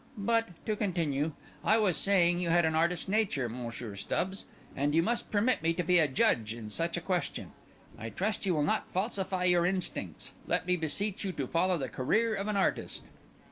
But, to continue, I was saying you had an artist's nature, Monsieur Stubbs, and you must permit me to be a judge in such a question. I trust you will not falsify your instincts; let me beseech you to follow the career of an artist."